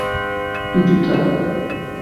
তুই চুপ থাক।